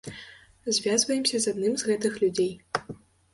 Звязваемся з адным з гэтых людзей.